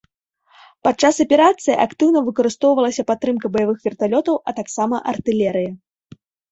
Падчас аперацыі актыўна выкарыстоўвалася падтрымка баявых верталётаў, а таксама артылерыя.